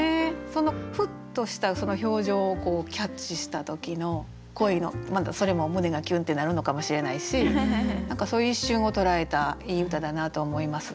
そのふっとした表情をキャッチした時の恋のまたそれも胸がキュンってなるのかもしれないし何かそういう一瞬を捉えたいい歌だなと思います。